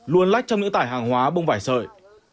luôn lách trong những tải hàng hóa bông vải sợi